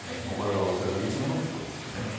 これは恐らくいつものことですよね。